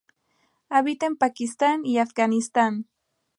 Habita en Pakistán y Afganistán.